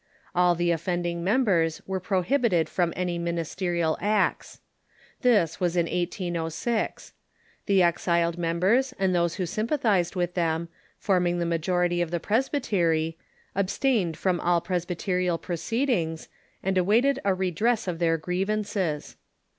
All the offending members were prohibited from any ministerial acts. This was in 1806. The exiled members and those who sympathized with them, forming the majority of the Presbytery, abstained from all presbyterial proceedings, and awaited a redress of their grievances.